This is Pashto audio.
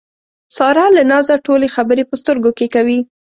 ساره له نازه ټولې خبرې په سترګو کې کوي.